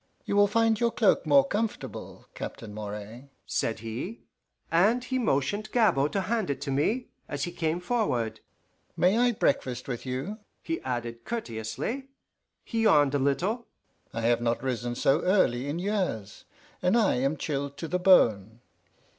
"You will find your cloak more comfortable, Captain Moray," said he, and he motioned Gabord to hand it to me, as he came forward. "May I breakfast with you?" he added courteously. He yawned a little. "I have not risen so early in years, and I am chilled to the bone.